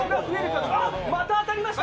また当たりました。